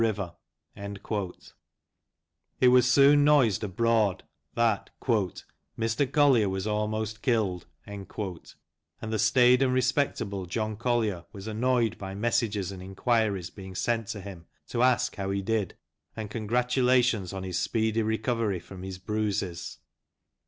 It was soon noised abroad that "Mr Collier was almost killed," and the staid and respectable John Collier' was annoyed by messages and inquiries being sent to him to ask how he did, and congratulations on his speedy recovery from his bruises.